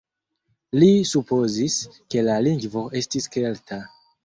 Li supozis, ke la lingvo estis kelta.